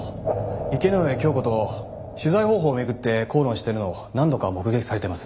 池ノ上京子と取材方法を巡って口論しているのを何度か目撃されています。